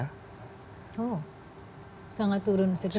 oh sangat turun signifikan ya